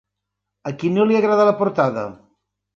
A qui no li agrada la portada?